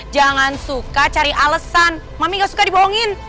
jangan suka cari alesan mami gak suka dibohongin